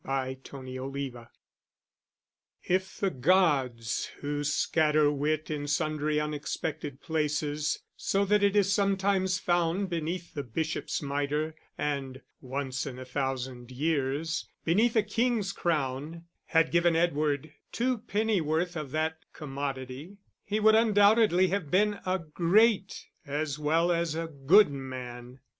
Chapter XXV If the gods, who scatter wit in sundry unexpected places, so that it is sometimes found beneath the bishop's mitre and, once in a thousand years, beneath a king's crown, had given Edward two pennyworth of that commodity, he would undoubtedly have been a great as well as a good man.